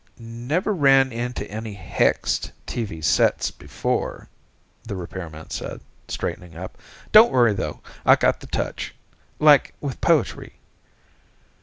"Never ran into any hexed TV sets before," the repairman said, straightening up. "Don't worry, though. I got the touch, like with poetry.